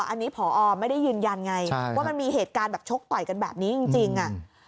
อันนี้ผอไม่ได้ยืนยันไงว่ามันมีเหตุการณ์แบบชกต่อยกันแบบนี้จริง